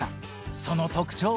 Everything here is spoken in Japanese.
その特徴は。